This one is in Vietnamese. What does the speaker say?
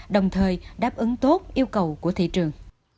đồng thời đáp ứng tốt yêu cầu của thị trường